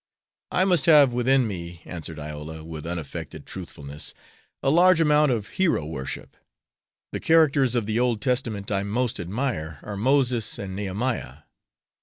"I must have within me," answered Iola, with unaffected truthfulness, "a large amount of hero worship. The characters of the Old Testament I most admire are Moses and Nehemiah.